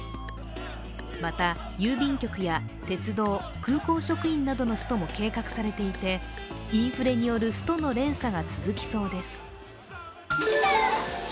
また郵便局や鉄道・空港職員などのストも計画されていて、インフレによるストの連鎖が続きそうです。